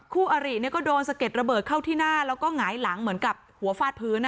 อาริก็โดนสะเด็ดระเบิดเข้าที่หน้าแล้วก็หงายหลังเหมือนกับหัวฟาดพื้น